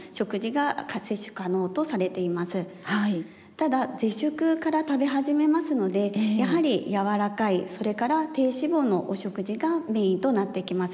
ただ絶食から食べ始めますのでやはり柔らかいそれから低脂肪のお食事がメインとなってきます。